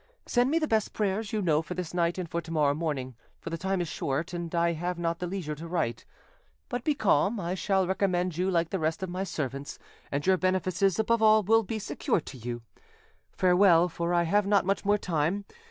Send me the best prayers you know for this night and for to morrow morning; for the time is short, and I have not the leisure to write; but be calm, I shall recommend you like the rest of my servants, and your benefices above all will be secured to you. Farewell, for I have not much more time.